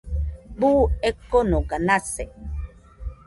Buu ekonoga nase